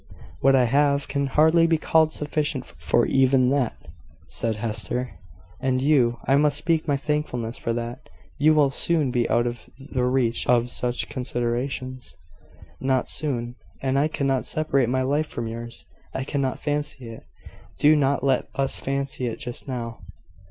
"What I have can hardly be called sufficient for even that," said Hester: "and you I must speak my thankfulness for that you will soon be out of the reach of such considerations." "Not soon: and I cannot separate my life from yours I cannot fancy it. Do not let us fancy it just now."